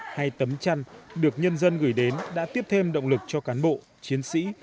hay tấm chăn được nhân dân gửi đến đã tiếp thêm động lực cho cán bộ chiến sĩ